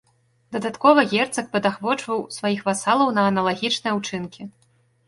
Дадаткова герцаг падахвочваў сваіх васалаў на аналагічныя ўчынкі.